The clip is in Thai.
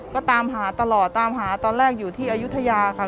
ก็ตามหาตลอดตามหาตอนแรกอยู่ที่อายุทยาค่ะ